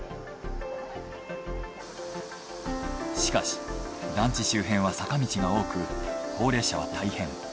しかし団地周辺は坂道が多く高齢者は大変。